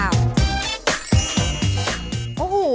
ว้าว